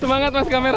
semangat mas kameramen